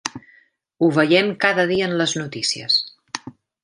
Ho veiem cada dia en les notícies.